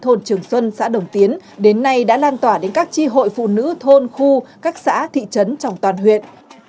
thôn trường xuân xã đồng tiến đến nay đã lan tỏa đến các tri hội phụ nữ thôn khu các xã thị trấn trong toàn huyện